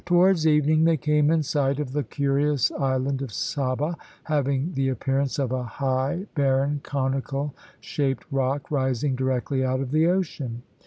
Towards evening they came in sight of the curious island of Saba, having the appearance of a high, barren, conical shaped rock rising directly out of the ocean.